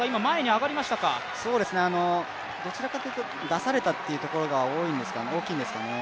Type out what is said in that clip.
どちらかというと出されたというところが大きいですかね。